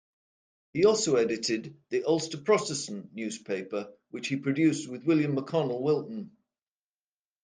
He also edited the "Ulster Protestant" newspaper, which he produced with William McConnell Wilton.